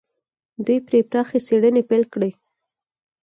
دوی پرې پراخې څېړنې پيل کړې.